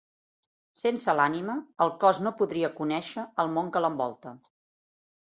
Sense l'ànima, el cos no podria conèixer el món que l'envolta.